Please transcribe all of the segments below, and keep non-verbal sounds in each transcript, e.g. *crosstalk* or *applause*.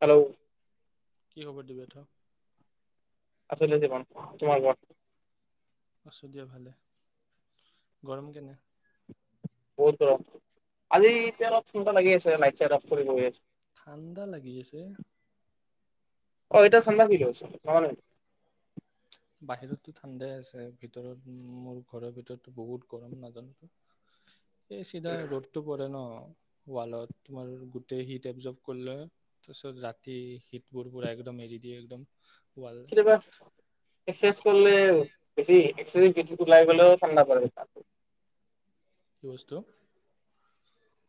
Hello, কি খবৰ দিব তুমি আছোঁ দিয়া ভালে, তোমাৰ কোৱা? আছোঁ দিয়া ভালে, গৰম কেনেকুৱা বহুত গৰম, আজি তাকে চিন্তা লাগি আছে, লাইত চাইট অফ কৰি বহি আছোঁ। ঠাণ্ডা লাগি আছে অ এটা চান্দা কি লৈছে ন বাহিৰততো ঠাণ্ডাই আছে ভিতৰত মোৰ ঘৰৰ ভিতৰতো বহুত গৰম নাজানো এই চিধা ৰ'দতটো পৰে ন ৱালত তোমাৰ গোটেই হিট এবজৰ্ভ কৰিলে তাৰপিছত ৰাতি হিটবোৰ পোৰা একদম এৰি দিয়ে একদম বাল বেছি উৱাচ কৰিলে বেছি একচাৰি গলেও ঠাণ্ডা প কি বস্তু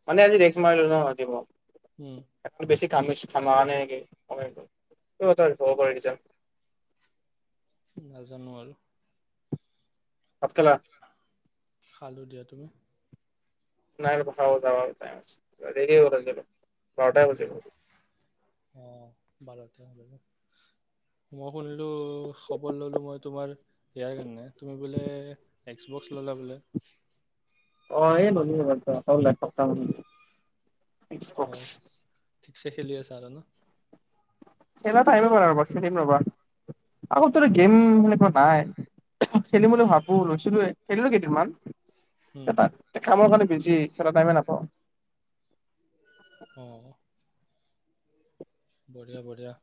মানে আজি দে মাৰিল আজি উম বেছি কামিছ খামা নে টা হব পাৰে ৰিজাল্ট নাজানো আৰু ভাত খালা খালো দিয়া তুমি নাই পথাৰত যোৱা টাইম আছে বাৰটাই বজিব বাৰতে হ মই শুনিলো খবৰ ললো মই তোমাৰ ইয়াৰ কাৰণে তুমি পৰিলে এক্সপৰছ লা বোলে অ লো লেপটপ এটা ক অ ঠিকছে খেলি আছা আৰু ন খেলা ঠাইৰ ৰবা খেলিম ৰবা আকৌ গেম সেনেকুৱা নাই, খেলিম বুলি ভাবো লৈছিলোয়ে খেলিলো কেইদিনমান। উম, এই তাক খাব পাৰি। বজি খেলা টাইমে নাপাওঁ। অ বঢ়িয়া বঢ়িয়া,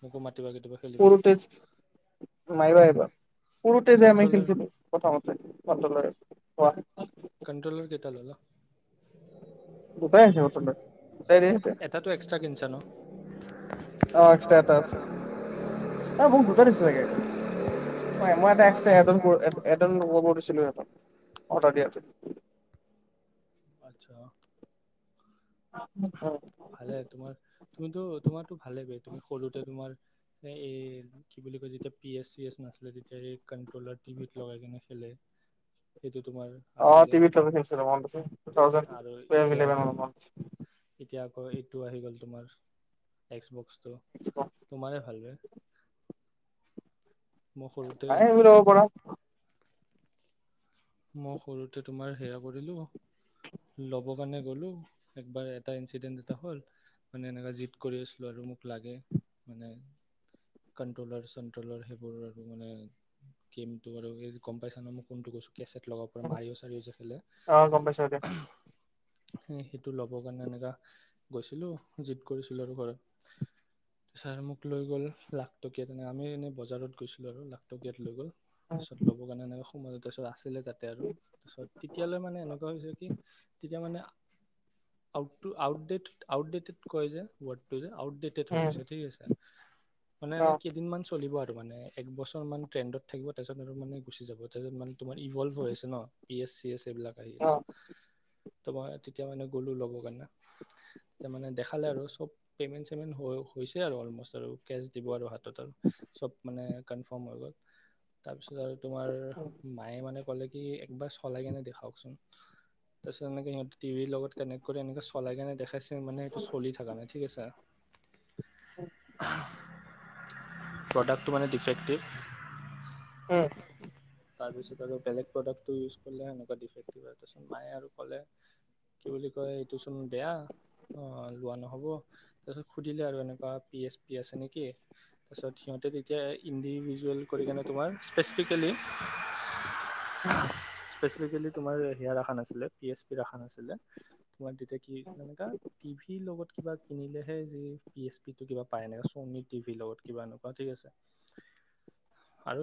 মোকো মাত। কেতিয়াবা কেতিয়াবা খেলিব। মাৰিব লৈ আহিবা। সৰুতে আমি কণ্ট্ৰলৰ খেলিছিলো পথাৰতে কট্ৰলাৰ কণ্ট্ৰলাৰ কেইটা ললা। দুটাই আছে নতুন দুটাই দিয়তে, এটাটো এক্সট্ৰা কিনছা ন? অ আ ন মোক দুটাই দিছে চাগে হয় মই এইবাৰ এক্সট্ৰাৰা এ লগাব দিছিলো সিহঁতক। অডাৰ দিয়া আছে। আচ্ছ অ ভালে তোমাৰ তুমিতো তোমাৰোটো ভালে, বে তুমি সৰুতে তোমাৰ। এই কি বুলি কয় যেতিয়া পি এছ চি এছ নাছিলে তেতিয়া এই কণ্ট্ৰলাৰ টিভিত লগাই কিনে খেলে সেইটোত। অ টিভি লগাব খুজিছে, অহ তুথাউজেণ্ড আৰু টাৱেল এতিয়া হান্দেৰ্ড আকৌ মান হব। এতিয়া এইটো আহি গ'ল তোমাৰ টেক্স বক্স আছে তোমাৰেই ভালব মই সৰুতে ন ৰব প় *inaudible* মই সৰুতে তোমাৰ সেয়া কৰিলো ল'ব কাৰণে গলো একবাৰ এটা ইঞ্চিডেণ্ট এটা হ'ল মানে এনেকা জিদ কৰি আছিলো আৰু মোক লাগে মানে কণ্ট্ৰলাৰ চনট্ৰলৰ সেইবোৰ আৰু মানে কেমটো আৰু এই গম পাইছ ন মই কোনটো কৈছিল কেছেট লগৰ পৰা মাৰিও চাৰিও জিকিলে অ গম পাইছো দে সেইটো ল'বৰ কাৰণে এনেকা গৈছিলোঁ জিপ কৰিছিলোঁ আৰু ঘৰত ছাৰ মোক লৈ গ'ল লাখটকীয়া তেনেকে আমি এনেই বজাৰত গৈছিলোঁ আৰু লাখটকীয়াত লৈ গ'ল তাৰপিছত ল'ব কাৰণে এনেকুৱা মতছ আছে যাতে আৰু তাৰপিছত তেতিয়ালৈ মানে এনেকুৱা হৈছে কি তেতিয়া মানে আউটটো আউটডেট আউটডেটত কৈ যে আউট ডেটতে থৈ উম গৈছে ঠিক আছে মানে অ কেইদিনমান চলিব আৰু মানে এক বছৰমানা ট্ৰেণ্ডত থাকিব তাৰপাছত আৰু মানে গুচি যাব তাৰপিছত মানে তোমাৰ ইভল্ভ হৈ আছে ন পি এছ চি এছ সেইবিলাক আহি অ আছে তো মই তেতিয়া মানে গলোঁ লবৰ কাৰণে তেতিয়া মানে দেখালে আৰু চব পেমেণ্ট চেমেণ্ট হৈ হৈছে আৰু অলম'ষ্ট আৰু কেছ দিব আৰু হাতত আৰু চব মানে কনফাৰ্ম হৈ গ'ল তাৰপিছত আৰু তোমাৰ উম মায়ে মানে কলে কি একবাৰ চলাই কেনে দেখাওকচোন তাৰপিছত এনেকে সিহঁতে টিভিৰ লগত কানেক্ট কৰি এনেকৈ চলাই কাৰণে দেখা তাইপিছে মানে এইটো চলি থকা নাই ঠিক আছে *inaudible* প্ৰডাক্টটো মানে ডিফেক্টিভ উম তাৰপিছত আৰু বেলেগ প্ৰডাক্টটো ইউজ কৰিলে এনেকুৱা ডিফেক্টিভ আৰু তাৰপিছত মায়ে আৰু ক'লে কি বুলি কয় এইটোচোন বেয়া লোৱা নহ'ব তাৰপিছত সুধিলে আৰু এনেকুৱা পি এছ পি আছে নেকি তাৰপিছত সিহঁতে তেতিয়া ইণ্ডিভিজেল জেল কৰি কেনে তোমাৰ স্পেচিফিকেলি *unintelligible* স্পেচিফিকেলি তোমাৰ হেয়াৰ এখন আছিলে পিএছ পিৰ এখন আছিলে তোমাৰ তেতিয়া কি এনেকা টি ভিৰ লগত কিবা কিনিলেহে যি পি এইচ পি টো কিবা পায় না চনি টি ভিৰ লগত কিবা এনেকুৱা ঠিক আছে আৰু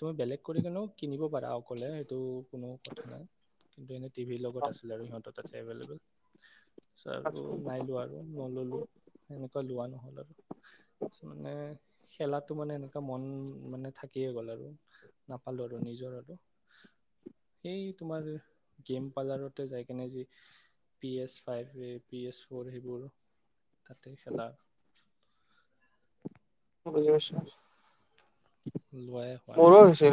তুমি বেলেগ কৰিকিনেও কিনিব বাদা ক'লে সেইটো কোনো কথা নাই কিন্তু এনে টিভিৰ লগত আছিলে আৰু সিহঁতৰ তাতে এভেইলেবল তাৰপিছত আৰু অ নাইলোৱা আৰু নললো সেনেকুৱা লোৱা নহ'ল আৰু। মানে, খেলাটো মানে এনেকুৱা মন মানে থাকিয়ে গ'ল আৰু। নাপালোঁ আৰু নিজৰ আৰু, সেই তোমাৰ গেম পাৰ্লাৰত যাই কিনে যি পিএছ ফাইভ, পিএছ ফ'ৰ সেইবোৰ তাতে খেলা সজছয় *unintelligible* লোৱাই হোৱা নাই। মোৰো হৈছে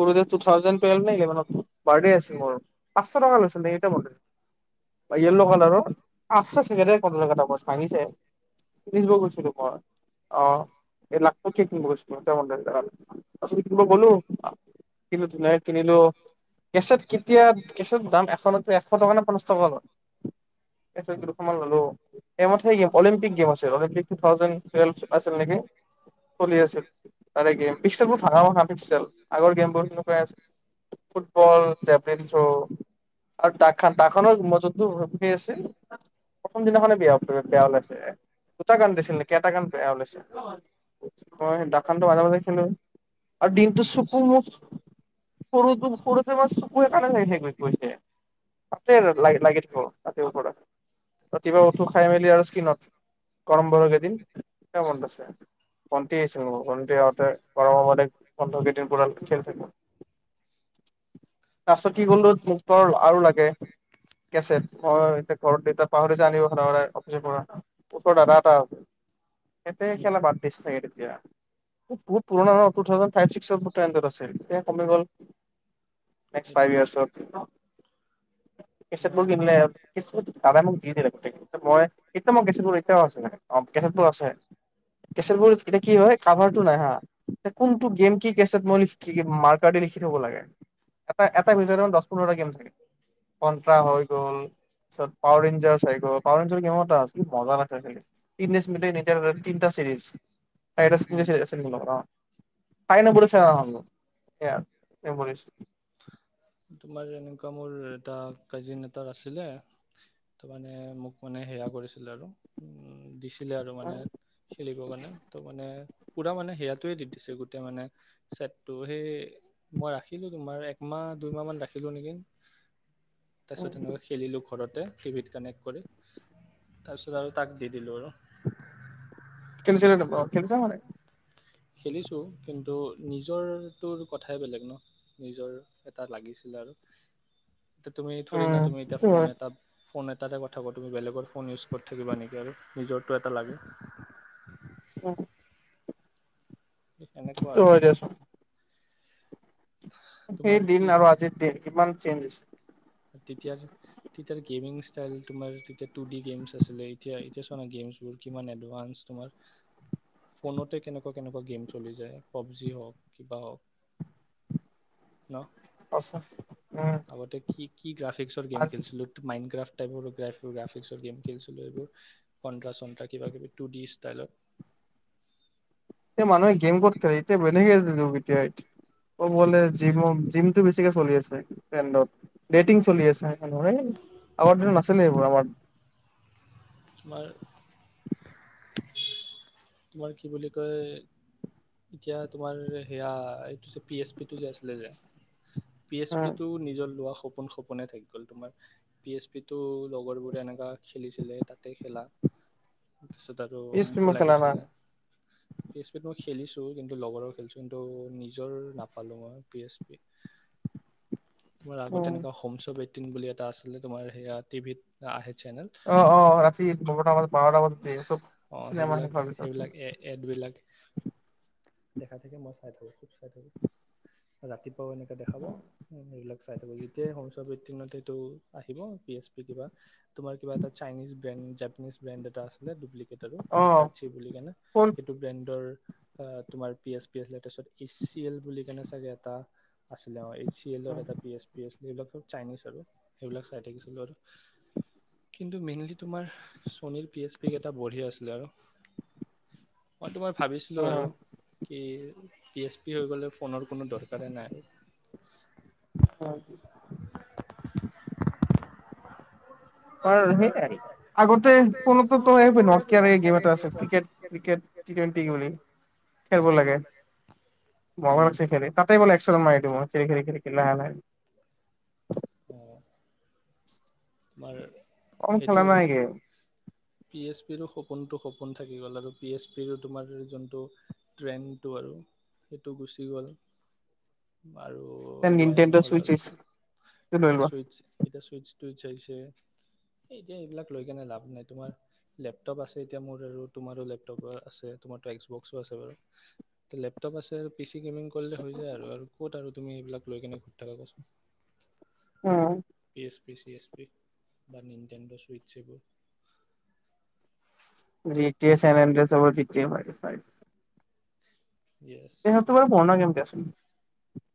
সৰুতে টু থাউজেড টু ইলেভেন মানত - আছিল মোৰু, পাঁচশ টকা লৈছিল নে, এতিয়াও মনত আছে, য়েল্ল কালাৰৰ। পাঁচশ ভাঙিছে। গৈছিলো মই, অ, এই লাখ পতিত কিনিব গৈছিলো এ ম আ *unintelligible* গলোঁ। কিন্তু তোমাৰ কিনিলো, কেচত কেতিয়া, কেচত দাম এশ নত এশ টকা নে পচশ টকা লৈ এশ ৰুপিয়া অ'। দুশ মান ললোঁ। *unintelligible* অলিম্পিক গেম আছিল, অলিম্পিক টু থাউজেড েলভ আছিল নেকি? চলি আছিল তাৰে গেম *unintelligible* আগৰ গেম বোৰ হেনকুৱাৰ আছিল। ফুটবল, জেভলিন থ্ৰ, আৰু ডাকখন-ডাকখনৰ মই জোনটো *unintelligible* আচিল, প্ৰথম দিনাখনে বয়া-বেয়া ওলাইছে দুটা গান দিছিল নেকি, এটা গান বেয়া ওলাইছে খানটো মাজে-মাজে খেলো। আৰু দিনটো চুপুৰ মুফ সৰুটো-সৰুতে মাৰ চুকুৱে কানে *unintelligible* কৈছে। আ ল-লাগেজ হতে পৰা ৰাতিপুৱা উঠো খাই আহিল আৰু স্কিনত গৰম বৰ কেইদিনন, মনত আছে। বন্তি আহছিল মোৰ, বন্তি আহওঁতে, গৰম হব বন্ধৰ কেইদিন পৰা খেল থাকো। তাৰপাছত কি হয়তো। গলো *unintelligible* আৰু লাগে কেচট। মই এতিয়া ঘৰত দেত পাহৰি যাই আন স অফিচৰ পৰা, ওচৰ দাদা এটা আছিল এতে উম, খেলা বাদ দিছছে চেতিয়া। বহুত পুৰণা টু থাউজেণ্ড ফাইভ, ছিক্সৰ বুটডত আছিল এতিয়া কমি গ'ল। ফাইভ সেইটোৱে য়েৰ্চত। কেচেত তোমাৰ বোৰ কিনিলুৱাৰো, কিচত দাদাই মোক দি দিলে গোটেই, মই এতিয়া মই *unintelligible* এতিয়াও আছে। মান অ' কেটবোৰ আছে কেট বোৰ এতিয়া কি হয় কাভাৰটো নাই হা কোনটো গেম কি কেছেট মই মাৰকাৰ দি লিখি থব লাগে। এ-এটা ভিতৰত দহ পোন্ধৰটা গেম থাকে। কট্ৰা হৈ অ'। গ'ল, তাৰপিছত পাৱ ৰেঞ্জাৰ হৈ গল, পাৱ ৰেঞ্জাৰ গেম এটা আচিল মজা লাগে খেলি। তিজ মিউটেন্ট নিঞ্জা টোৰটলেছ, তিনিটা উম। ছিৰিজ অহ *unintelligible* মেমৰিজ তোমাৰ এনেকুৱা মোৰ এটা কাজিন এটাৰ আছিলে, তাৰ মানে মোক মানে সেয়া কৰিছিলে আৰু ছিলে আৰু মানে খেলিবৰ কাৰণে, ত' মানে পূৰা মানে সেয়াটোৱে দি দিছে গোটেই মানে, চেটটো, সেই মই ৰাখিলোঁ তোমাৰ একমাহ দুইমাহমান ৰাখিলোঁ নেকি তাৰপিছত তেওঁনেকুৱে খেলিলো ঘৰতে টিভিত কানেক্ট কৰি, তাৰপিছত আৰু তাক দি দিলোঁ আৰু খেলিচে নে নাই তো ক খেলি হয় নাই খেলিছোঁ, কিন্তু নিজৰটোৰ কথাই বেলেগ ন? নিজৰ এটা লাগিছিল আৰু এতিয়া তুমি থৰে না উম তুমি এতিয়া সেইটো হয় ফোন এটা ফোন এটাৰে কথা কওঁ তুমি বেলেগৰ ফোন ইউজ কৰি থাকিবা নেকি আৰু নিজৰটো এটা লাগে অ *inaudible* সেনেকুৱা আৰু দিয়াচোন তোমাৰ সেই কি দিন আৰু আজিৰ দিন কিমান চেঞ্জ হৈছে তেতিয়া তেতিয়াৰ গেমিং ষ্টাইল তোমাৰ তেতিয়া টু ডি গেমছ আছিলে এতিয়া এতিয়া ত গেমছবোৰ কিমান এডভানস তোমাৰ ফোনতে কেনেকুৱা কেনেকুৱা গেম চলি যায় পাবজি হওক কিবা হওক সঁচা উম আগতে কি কি গ্ৰাফিকছৰ গেম এতিয়া খেলছিলো মাইণ্ড কৰা চোন টাইবোৰ গ্ৰাফিকছৰ গেম খেলছিলোঁ এইবোৰ কন্দ্ৰা চন্দ্ৰা কিবা কিবি টু ডি ষ্টাইলত তে মানুহে গেম ক'ত খেলিব এতিয়া ঘৰতে ৰখি আছো তো এতিয়া অ বলে জিম এতিয়া কি- জিমটো বেছিকে চলি আছে তেন্দ *inaudible* ডেটিং চলি আছে আগৰ দিনত নাছিলে এইবোৰ আমাৰ তোমাৰ তোমাৰ কি বুলি কয় এতিয়া তোমাৰ সেয়া এইটো যে পিএচ পিটো যে আছিলে যে পি এছ পি উম টো নিজৰ লোৱা সপোন সপোনে থাকি গ'ল তোমাৰ পিএছ পিটো লগৰবোৰে এনেকুৱা খেলিছিলে তাতে খেলা তাৰপিছত আৰু পিচ মোকো তুমি খেলা লাগিছিল *inaudible* নাই খেলিছোঁ কিন্তু লগৰো খেলিছোঁ কিন্তু নিজৰ নাপালোঁ মই পি এছ পি তোমাৰ আগতে উম এনেকুৱা হোম চব হোম বুলি এটা আছিলে তোমাৰ সেয়া টিভিত আহে চেনেল অ অ ৰাতি নটা বজাত বাৰটা বজাত দিয়ে চব অ চিনেমা সেইবিলাক হোৱাৰ পিছত সেইবিলাক এ এডবিলাক দেখা থাকে মই চাই থাকোঁ খুব চাই থাকোঁ ৰাতি এনেকে দেখাব এইবিলাক চাবলৈ যেতিয়া আহিব পি এছ পি কিবা তুমাৰ কিবা এটা চাইনিজ ব্ৰেণ্ড জাপানিজ ব্ৰেণ্ড এটা আছিলে ো অ শ *inaudible* বুলি কেনে ফোন সেইটো ব্ৰেণ্ডৰ তোমাৰ পি এছ পি তাৰ পিছত পি চি এল বুলি কেনে চাগে এটা আছিলে অ চি এলৰ উম, এটা পি এছ পি এছ যবিলাক চাইনিজ আৰু সেইবিলাক চাই থাকিছিলোঁ আৰু কিন্তু মেইনলি তোমাৰ চনীৰ পি এইচ পিক এটা বঢ়িয়ে আছিলে আৰু মই তোমাৰ ভাবিছিলোঁ আৰু কি পি এছ পি হৈ গ'লে ফোনৰ কোনো দৰকাৰেই নাই আৰু অ আৰু সেই আগতে ফোনত গেম এটা আছে ক্ৰিকেটিক টি টুৱেণ্টি বুলি খেলব লাগে মা উম। লছে খেল তাতে বোলে সল ম চক ল অ তোমাৰ কম খেলা সেইটো নাই গেম পি এছ পো খুব সপোনটো সপোন থাকি গ'ল আৰু পি এছ পিৰো তোমাৰ যোনটো ট্ৰেণ্ডটো আৰু সেইটো গুচি গ'ল আৰু লোৱাই নিনটেণ্ড নহ'ল চুইচ আৰু আহিছে লৈ এতিয়া লোৱা চুইটচ এতিয়া চুইটচছ টুইট এতিয়া এইবিলাক লৈ কেনে লাভ নাই তোমাৰ লেপটপ আছে এতিয়া মোৰ আৰু তোমাৰো লেপটপ আছে তোমাৰ টেক্সট বক্সো আছে বাৰু লেপটপ আছে বেছি গেমিং কৰিলে হৈ যায় আৰু ক'ত আৰু তুমি এইবিলাক লৈ কেনে ঘৰি থাকা কচোন অ PS P C S P বা নিন্তানড চুইটছবোৰ জে য়েছ তেহেটৰ পুৰণা গেমকেছ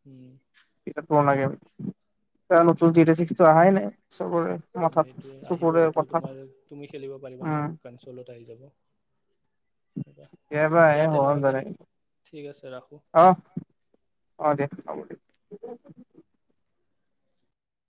উম কি ফন লে জ ছিক্সটো অহাই নাই চবৰে মঠাত সেইটোৱে আহিব চকুৰে এইটো কঠাত তোমাৰ তুমি খেলিব পাৰিবা ন উম কনচলত আহি যাব কিবা এব এ দিয়া হ তেনেহ'লে ঠিক আছে ৰাখোঁ আহ আহ উম। দিয় চাব দিয়